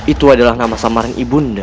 itu adalah nama samarang ibu nidas